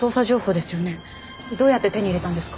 どうやって手に入れたんですか？